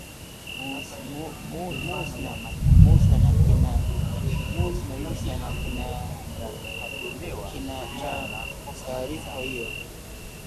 Muhsin Musa na kina cha taarifa hiyo